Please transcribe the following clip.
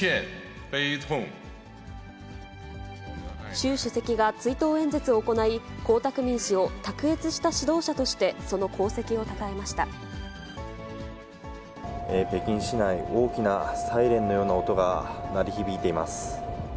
習主席が追悼演説を行い、江沢民氏を卓越した指導者として、北京市内、大きなサイレンのような音が鳴り響いています。